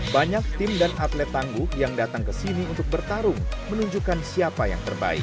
banyak tim dan atlet tangguh yang datang ke sini untuk bertarung menunjukkan siapa yang terbaik